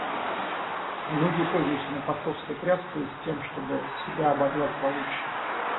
Многие пользуются напостовской тряскою, с тем чтоб себя обозвать получше.